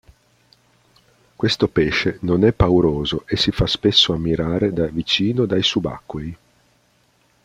Questo pesce non è pauroso e si fa spesso ammirare da vicino dai subacquei.